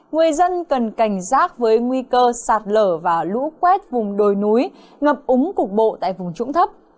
người dân cần cảnh giác với nguy cơ sạt lở và lũ quét vùng đồi núi ngập úng cục bộ tại vùng trũng thấp